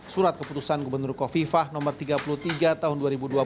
surat keputusan gubernur kofifah no tiga puluh tiga tahun dua ribu dua puluh